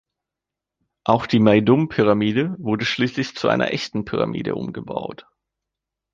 Auch die Meidum-Pyramide wurde schließlich zu einer echten Pyramide umgebaut.